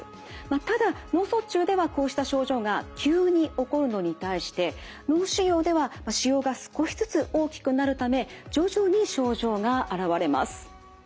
ただ脳卒中ではこうした症状が急に起こるのに対して脳腫瘍では腫瘍が少しずつ大きくなるため徐々に症状が現れます。